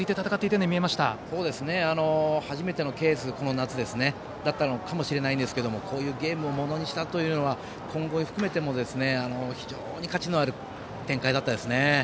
この夏、初めてのケースだったかもしれないですけどこういうゲームをものにしたというのが、今後を含めても非常に価値のある展開でした。